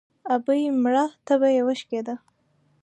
ـ ابۍ مړه تبه يې وشکېده.